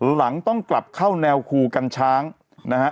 หลังต้องกลับเข้าแนวคูกัญช้างนะฮะ